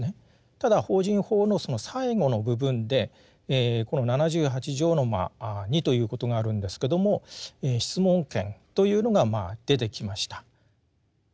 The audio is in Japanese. ただ法人法のその最後の部分でこの七十八条の二ということがあるんですけども質問権というのがまあ出てきました。